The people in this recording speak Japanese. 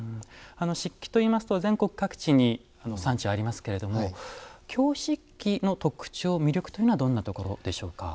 漆器といいますと全国各地に産地ありますけれども京漆器の特徴魅力というのはどんなところでしょうか？